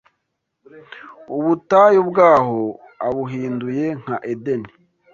ubutayu bwaho abuhinduye nka Edeni,